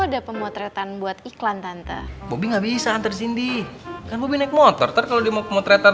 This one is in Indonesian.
ada pemotretan buat iklan tante bobby nggak bisa antar cindy kan bobby naik motor kalau dia mau pemotretan